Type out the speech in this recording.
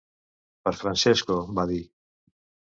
Per Francesco, va dir.